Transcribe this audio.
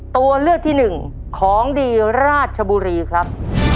ตัวเลือกที่หนึ่งของดีราชบุรีครับ